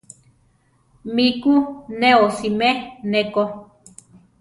Mí ku ne osimé ne ko.